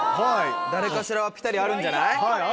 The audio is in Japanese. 誰かしらはピタリあるんじゃない。